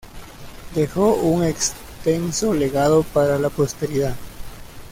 Dejó un extenso legado para la posteridad.